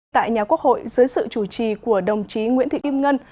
tại nhà quốc hội dưới sự chủ trì của đồng chí nguyễn thị kim ngân